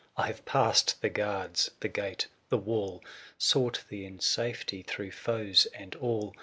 *' I have passed the guards, the gate, the wall ; 520 *' Sought thee in safety throi*gh foes and all.